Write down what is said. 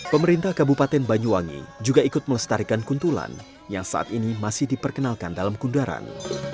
pemerintah kabupaten banyuwangi juga ikut melestarikan kuntulan yang saat ini masih diperkenalkan dalam kundaran